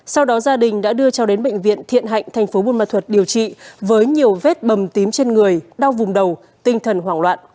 sau đó gia đình đã đưa cho đến bệnh viện thiện hạnh thành phố buôn ma thuật điều trị với nhiều vết bầm tím trên người đau vùng đầu tinh thần hoảng loạn